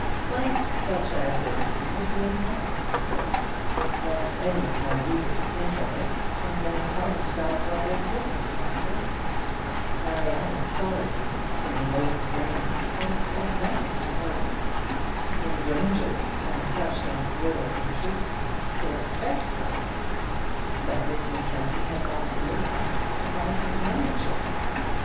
Life such as this would be impossible to her. Let any of my readers think of it, and then tell themselves whether it could be possible. Mariana's solitude in the moated grange was as nothing to hers. In granges, and such like rural retreats, people expect solitude; but Miss Mackenzie had gone to Littlebath to find companionship.